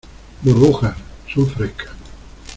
burbuja, son frescas.